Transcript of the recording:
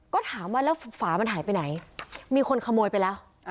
ก็ถามว่าแล้วฝามันหายไปไหนมีคนขโมยไปแล้ว